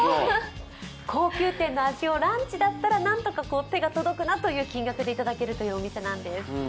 高級店の味をランチだったらなんとか手が届くなっていう金額で食べられるお店なんです。